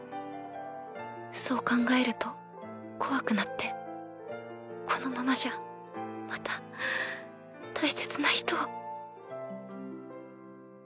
そう考えると怖くなってこのままじゃまた大切な人を。